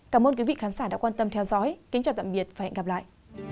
cảm ơn quý vị khán giả đã quan tâm theo dõi kính chào tạm biệt và hẹn gặp lại